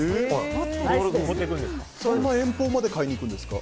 遠方まで買いに行くんですか？